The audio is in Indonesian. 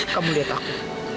kamu lihat aku